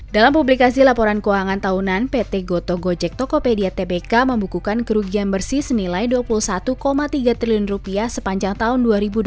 dalam publikasi laporan keuangan tahunan pt goto gojek tokopedia tbk membukukan kerugian bersih senilai rp dua puluh satu tiga triliun rupiah sepanjang tahun dua ribu dua puluh